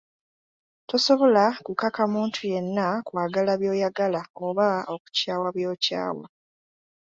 Tosobola kukaka muntu yenna kwagala by'oyagala oba okukyawa by'okyawa.